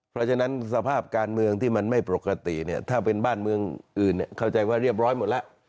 เพราะฉะนั้นสภาพการเมืองที่มันไม่ปกติเนี่ยถ้าเป็นบ้านเมืองอื่นเข้าใจว่าเรียบร้อยหมดแล้ว